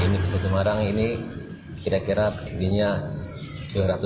masjid semarang ini kira kira berdiri dua ratus lima puluh tahun yang lalu